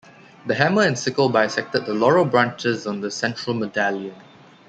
The hammer and sickle bisected the laurel branches on the central medallion.